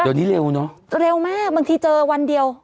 เดี๋ยวนี้เร็วเนอะเร็วมากบางทีเจอวันเดียว